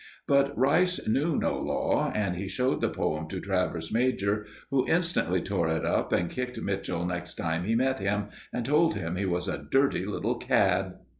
But Rice knew no law and he showed the poem to Travers major, who instantly tore it up and kicked Mitchell next time he met him and told him he was a dirty little cad.